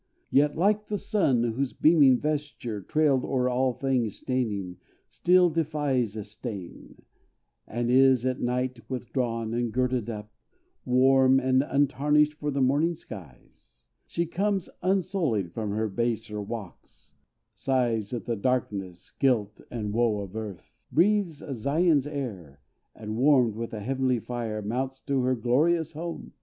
Yet, like the sun, whose beaming vesture, trailed O'er all things staining, still defies a stain; And is at night withdrawn, and girded up, Warm and untarnished for the morning skies She comes unsullied from her baser walks, Sighs at the darkness, guilt and wo of earth; Breathes Zion's air, and, warmed with heavenly fire, Mounts to her glorious home!